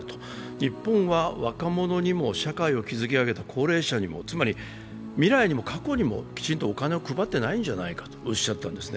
日本は、若者にも社会を築き上げた高齢者にも、つまり未来にも過去にもきちんとお金を配ってないんじゃないかとおっしゃったんですね。